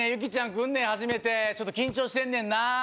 来んねん初めてちょっと緊張してんねんなあ